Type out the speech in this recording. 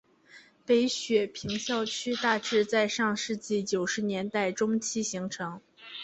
北雪平校区大致在上世纪九十年代中期形成。